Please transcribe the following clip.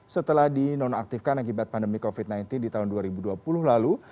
setelah dinonaktifkan akibat pandemi covid sembilan belas di tahun dua ribu dua puluh lalu